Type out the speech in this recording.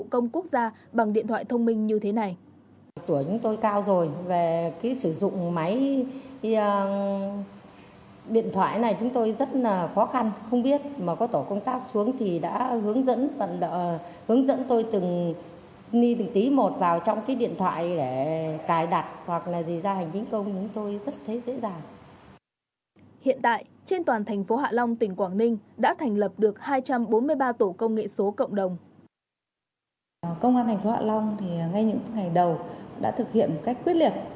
công an thành phố hạ long ngay những ngày đầu đã thực hiện một cách quyết liệt